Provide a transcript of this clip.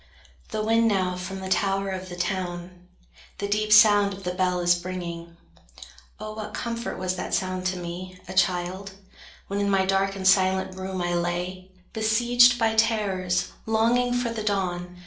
The wind now from the tower of the town The deep sound of the bell is bringing. Oh, What comfort was that sound to me, a child, When in my dark and silent room I lay, Besieged by terrors, longing for the dawn!